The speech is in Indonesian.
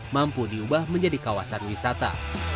mampu diubah menjadi kawasan wisata